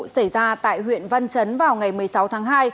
xảy ra tại huyện văn chấn vào ngày một mươi sáu tháng hai